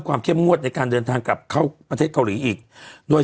เข้มงวดในการเดินทางกลับเข้าประเทศเกาหลีอีกด้วย